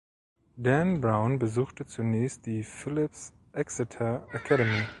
Dan Brown besuchte zunächst die "Phillips Exeter Academy".